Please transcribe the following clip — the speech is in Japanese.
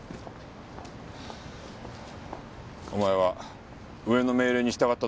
お前は上の命令に従っただけだ。